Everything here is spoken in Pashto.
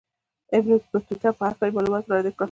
د ابن بطوطه په هکله یې معلومات وړاندې کړل.